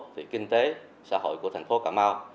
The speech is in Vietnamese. thì kinh tế xã hội của thành phố cà mau